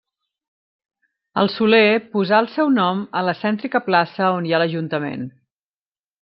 El Soler posà el seu nom a la cèntrica plaça on hi ha l'ajuntament.